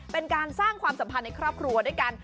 เป็นการสร้างความสัมพันธ์ในครอบครัวด้วยกัน